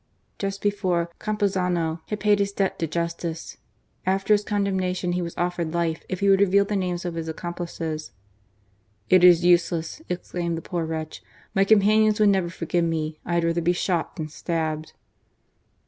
Just before, Campuzano had paid his debt to justice. After his condemnation he was offered life if he would reveal the names of his accomplices. "It is useless," exclaimed the poor wretch, "my companions would never forgive me. I had rather be shot than stabbed."